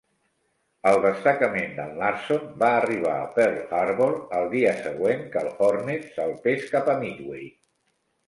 El destacament d'en Larson va arribar a Pearl Harbor el dia següent que el "Hornet" salpés cap a Midway.